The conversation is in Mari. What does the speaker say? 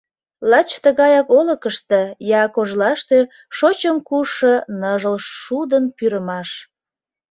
Лач тыгаяк олыкышто, я кожлаште Шочын-кушшо ныжыл шудын пӱрымаш.